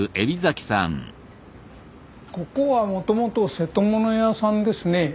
ここはもともと瀬戸物屋さんですね。